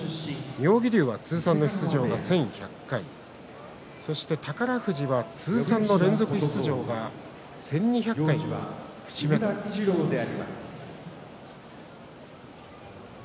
妙義龍は通算で、１１００回宝富士は通算の連続出場が１２００回の節目ということになります。